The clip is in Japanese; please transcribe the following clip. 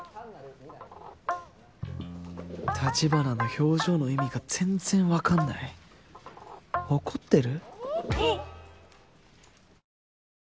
橘の表情の意味が全然分かんない怒ってる？